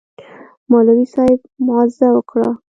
مولوي صاحب موعظه وکړه.